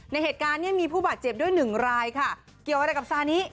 เหตุการณ์เนี่ยมีผู้บาดเจ็บด้วยหนึ่งรายค่ะเกี่ยวอะไรกับซานิ